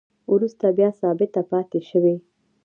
وروسته بیا ثابته پاتې شوې